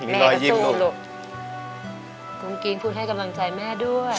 แม่ก็สู้ลูกกุ้งกิ๊งคุณให้กำลังใจแม่ด้วย